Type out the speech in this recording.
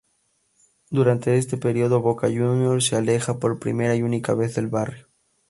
Durante este periodo Boca Juniors se aleja por primera y única vez del barrio.